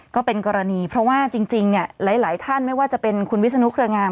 ก็เป็นกรณีเพราะว่าจริงเนี่ยหลายท่านไม่ว่าจะเป็นคุณวิศนุเครืองาม